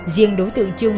riêng đối tượng trung